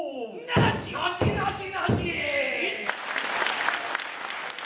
なしなしなし。